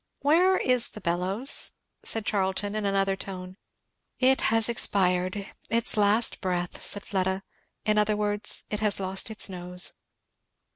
"Where is the bellows?" said Charlton in another tone. "It has expired its last breath," said Fleda. "In other words, it has lost its nose."